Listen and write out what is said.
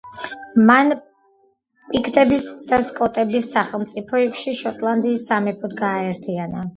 მან პიქტების და სკოტების სახელმწიფოები შოტლანდიის სამეფოდ გააერთიანა.